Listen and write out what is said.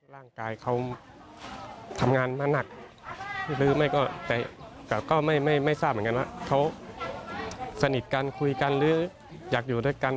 ร่างกายเขาทำงานมาหนักหรือไม่ก็แต่ก็ไม่ทราบเหมือนกันว่าเขาสนิทกันคุยกันหรืออยากอยู่ด้วยกัน